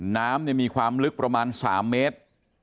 น้ำมีความลึกประมาณ๓เมตร